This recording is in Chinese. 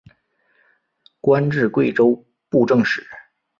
官至贵州布政使。